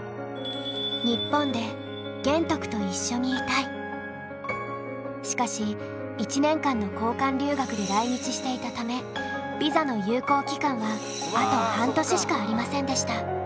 続いてはしかし１年間の交換留学で来日していたためビザの有効期間はあと半年しかありませんでした。